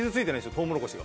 トウモロコシが。